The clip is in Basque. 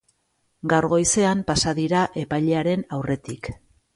Gaur goizean pasa dira epailearen aurretik.